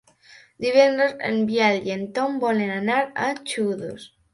Divendres en Biel i en Tom volen anar a Xodos.